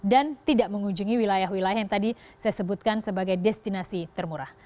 dan tidak mengunjungi wilayah wilayah yang tadi saya sebutkan sebagai destinasi termurah